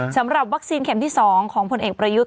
สำหรับวัคซีนเข็มที่๒ของผลเอกประยุทธ์